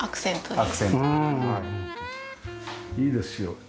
うんいいですよ。